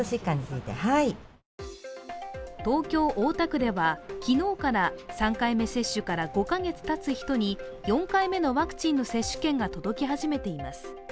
東京・大田区では昨日から３回接種から５カ月たつ人に４回目のワクチンの接種券が届き始めています。